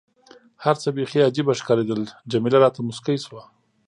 هر څه بیخي عجيبه ښکارېدل، جميله راته موسکۍ شوه.